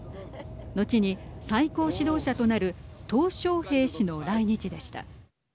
後に最高指導者となるとう小平氏の来日でした。